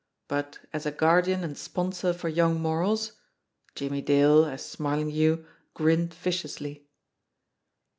But as a guardian and sponsor for young morals Jimmie Dale, as Smarlinghue, grinner viciously.